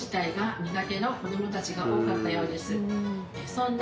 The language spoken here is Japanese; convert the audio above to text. そんな。